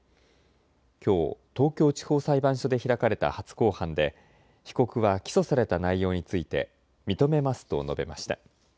きょう東京地方裁判所で開かれた初公判で被告は起訴された内容について認めますと述べました。